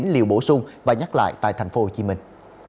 liều bổ sung và nhắc lại tại thành phố hồ chí minh